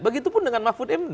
begitupun dengan mahfud md